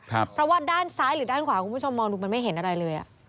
เพราะว่าด้านซ้ายหรือด้านขวาคุณผู้ชมมองดูมันไม่เห็นอะไรเลยอ่ะ